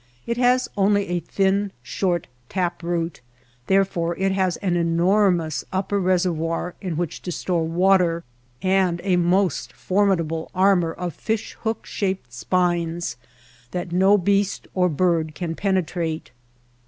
It has only a thin, short tap root, therefore it has an enor mous upper reservoir in which to store water, and a most formidable armor of fish hook shaped spines that no beast or bird can pene trate.